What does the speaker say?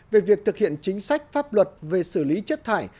về việc thực hiện chính sách pháp luật về xử lý chất thải